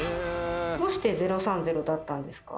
どうして「０３０」だったんですか？